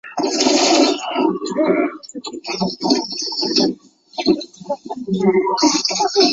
这个是英格兰在加勒比海地区的第一个殖民地。